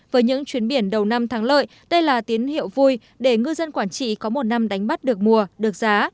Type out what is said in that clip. vậy đây là tín hiệu vui để ngư dân quảng trị có một năm đánh bắt được mua được giá